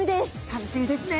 楽しみですね。